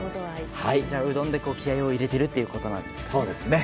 うどんで気合を入れているということですね。